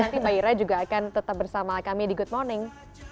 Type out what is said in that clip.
nanti mbak ira juga akan tetap bersama kami di good morning